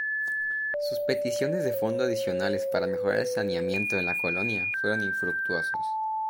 Sus peticiones de fondos adicionales para mejorar el saneamiento en la colonia fueron infructuosos.